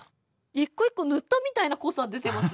一個一個塗ったみたいな濃さ出てますよ。